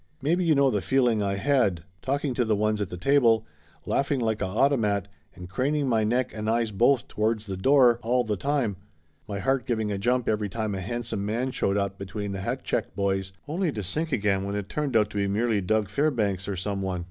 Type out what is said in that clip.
Maybe you know the feeling I had, talking to the ones at the table, laughing like a automat, and craning my neck and eyes both towards the door 232 Laughter Limited all the time, my heart giving a jump every time a hand some man showed up between the hat check boys, only to sink again when it turned out to be merely Doug Fairbanks or someone.